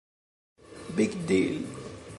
Big Deal